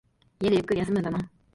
家でゆっくり休むんだな。